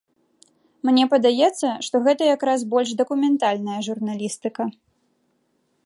Мне падаецца, што гэта якраз больш дакументальная журналістыка.